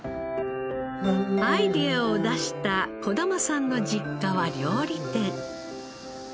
アイデアを出した小玉さんの実家は料理店。